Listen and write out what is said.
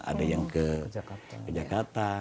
ada yang ke jakarta